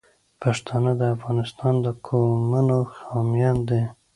پښتانه د افغانستان د قومونو حامیان دي.